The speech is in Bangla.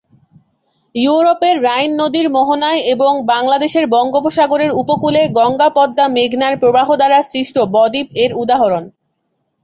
ইউরোপের রাইন নদীর মোহনায় এবং বাংলাদেশের বঙ্গোপসাগরের উপকূলে গঙ্গা-পদ্মা-মেঘনার প্রবাহ দ্বারা সৃষ্ট বদ্বীপ এর উদাহরণ।